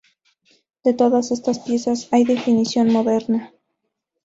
De todas estas piezas hay edición moderna.